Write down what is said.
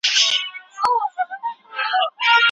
هغه د قاضيانو پر ايماندارۍ ټينګار کاوه.